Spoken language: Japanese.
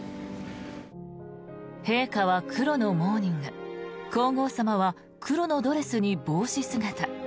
陛下は黒のモーニング皇后さまは黒のドレスに帽子姿。